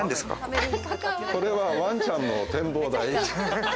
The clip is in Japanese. これはワンちゃんの展望台。